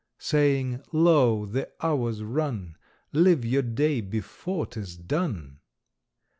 Saying _Lo, the hours run! Live your day before 't is done!